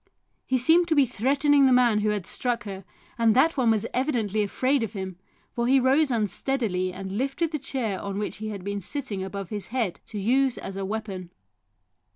He seemed to be threatening the man who had struck her, and that one was evidently afraid of him, for he rose unsteadily and lifted the chair on which he had been sitting above his head to use as a weapon.